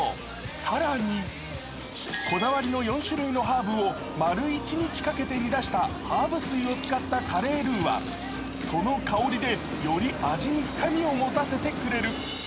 更に、こだわりの４種類のハーブを丸一日かけて煮出したハーブ水を使ったカレールーはその香りでより味に深みを持たせてくれる。